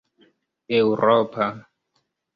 eŭropa